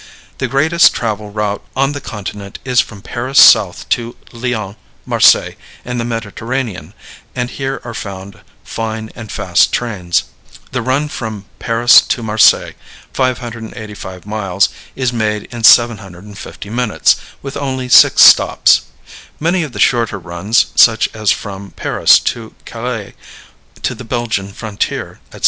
The greatest travel route on the Continent is from Paris south to Lyons, Marseilles, and the Mediterranean, and here are found fine and fast trains. The run from Paris to Marseilles, 585 miles, is made in 750 minutes, with only six stops. Many of the shorter runs, such as from Paris to Calais, to the Belgian frontier, etc.